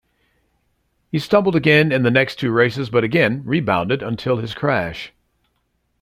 He stumbled again in the next two races but, again, rebounded until his crash.